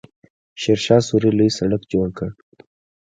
شیرشاه سوري لوی سړک جوړ کړ.